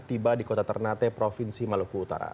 tiba di kota ternate provinsi maluku utara